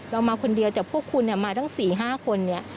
เรามาคนเดียวแต่พวกคุณเนี้ยมาทั้งสี่ห้าคนเนี้ย